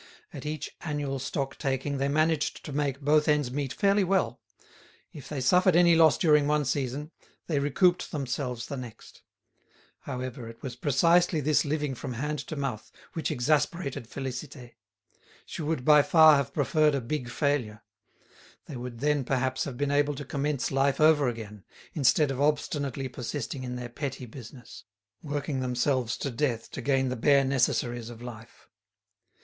At each annual stock taking they managed to make both ends meet fairly well; if they suffered any loss during one season, they recouped themselves the next. However, it was precisely this living from hand to mouth which exasperated Félicité. She would, by far, have preferred a big failure. They would then, perhaps, have been able to commence life over again, instead of obstinately persisting in their petty business, working themselves to death to gain the bare necessaries of life.